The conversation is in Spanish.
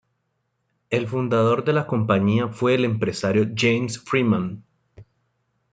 El fundador de la compañía fue el empresario James Freeman.